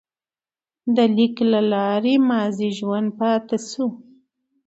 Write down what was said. د لیک له لارې ماضي ژوندی پاتې شو.